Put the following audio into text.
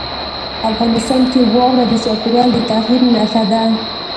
افغانستان کې واوره د چاپېریال د تغیر نښه ده.